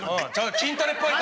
筋トレっぽいぞ。